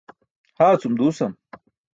haacum duusam